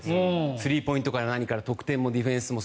スリーポイントから何から得点もディフェンスも。